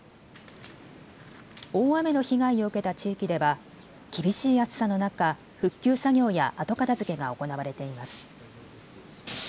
大雨の被害を受けた地域では厳しい暑さの中、復旧作業や後片づけが行われています。